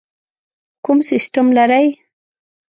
کوم سیسټم لرئ؟